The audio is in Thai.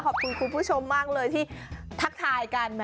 ขอบคุณคุณผู้ชมมากเลยที่ทักทายกัน